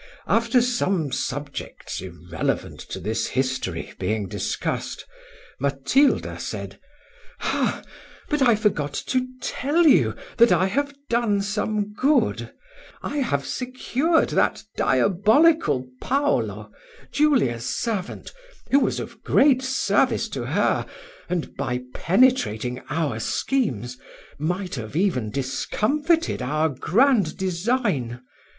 After some subjects, irrelevant to this history, being discussed, Matilda said, "Ha! but I forgot to tell you, that I have done some good: I have secured that diabolical Paulo, Julia's servant, who was of great service to her, and, by penetrating our schemes, might have even discomfited our grand design.